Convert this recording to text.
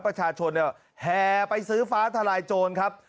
ประชาชนเนี่ยแห่ไปซื้อฟ้าทลายโจรครับ